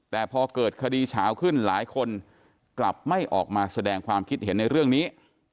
แต่พอเกิดคดีเฉาขึ้นหลายคนกลับไม่ออกมาแสดงความคิดเห็นในเรื่องนี้